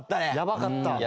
やばかった。